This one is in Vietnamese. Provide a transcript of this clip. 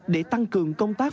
để tăng cường công tác